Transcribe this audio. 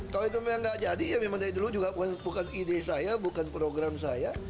kalau itu memang nggak jadi ya memang dari dulu juga bukan ide saya bukan program saya